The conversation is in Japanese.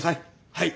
はい。